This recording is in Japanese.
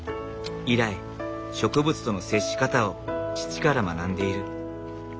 以来植物との接し方を父から学んでいる。